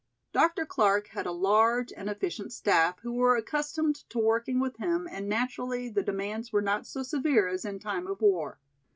Dr. Clark had a large and efficient staff who were accustomed to working with him and naturally the demands were not so severe as in time of war.